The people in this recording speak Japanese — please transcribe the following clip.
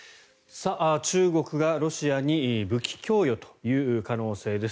中国がロシアに武器供与という可能性です。